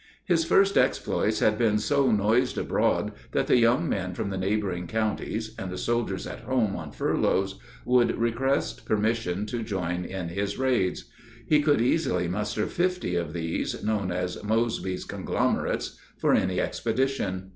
His first exploits had been so noised abroad that the young men from the neighboring counties and the soldiers at home on furloughs would request permission to join in his raids. He could easily muster fifty of these, known as "Mosby's Conglomerates," for any expedition.